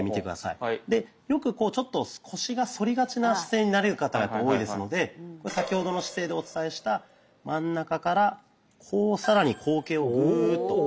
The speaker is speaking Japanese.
でよくこうちょっと腰が反りがちな姿勢になる方が多いですので先ほどの姿勢でお伝えした真ん中からこう更に後傾をグッと入れて頂く形です。